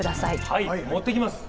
はい持ってきます。